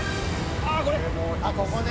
「ああここね」